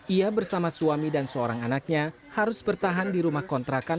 ia bersama suami dan seorang anaknya harus bertahan di rumah kontrakan